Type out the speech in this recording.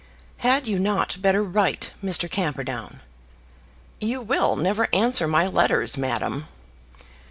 "Had you not better write, Mr. Camperdown?" "You will never answer my letters, madam."